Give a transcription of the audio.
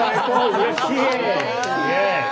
うれしい！